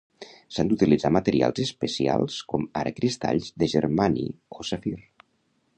S'han d'utilitzar materials especials com ara cristalls de germani o safir.